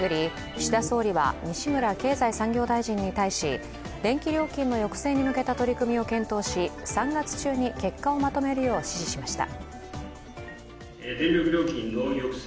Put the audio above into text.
岸田総理は西村経済産業大臣に対し電気料金の抑制に向けた取り組みを検討し、３月中に結果をまとめるよう指示しました。